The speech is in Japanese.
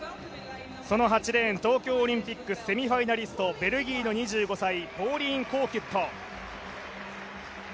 その８レーン東京オリンピックセミファイナリストベルギーの２５歳ポーリーン・コウキュット。